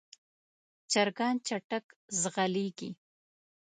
چرګان چټک ځغلېږي.